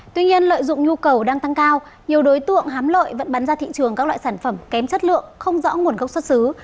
tuy nhiên lợi dụng nhu cầu đang tăng cao nhiều đối tượng hám lợi vẫn bán ra thị trường các loại sản phẩm kém chất lượng không rõ nguồn gốc xuất xứ